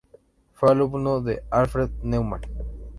Fue alumno de Alfred Neumann.